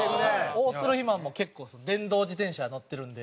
大鶴肥満も結構電動自転車乗ってるんで。